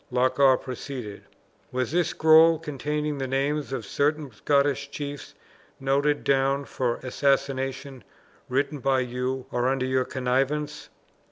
Loch awe proceeded: "Was this scroll, containing the names of certain Scottish chiefs noted down for assassination, written by you, or under your connivance?"